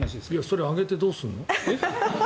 それ、上げてどうすんの？